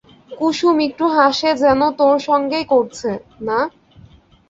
কুসুম একটু হাসে, যেন তোর সঙ্গেই করছে, না?